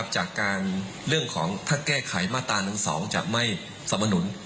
จากการเรื่องของถ้าแก้ไขมาตรา๑๒จะไม่สมนุน